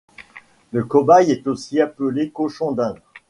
Le cobaye est aussi appelé cochon d'Inde